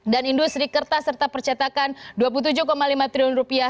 industri kertas serta percetakan dua puluh tujuh lima triliun rupiah